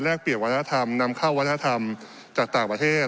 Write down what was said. เปลี่ยนวัฒนธรรมนำเข้าวัฒนธรรมจากต่างประเทศ